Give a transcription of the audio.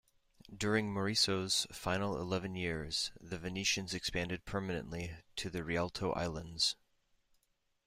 During Maurizio's final eleven years, the Venetians expanded permanently to the Rialto islands.